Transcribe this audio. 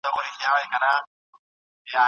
یوازې په کولمو کې یوه څړیکه احساسوي